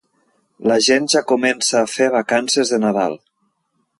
La gent ja comença a fer vacances de Nadal